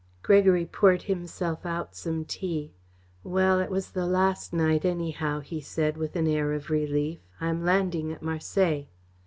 Gregory poured himself out some tea. "Well, it was the last night, anyhow," he said, with an air of relief. "I am landing at Marseilles."